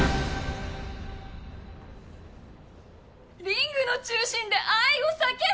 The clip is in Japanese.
リングの中心で「愛」を叫ぶ！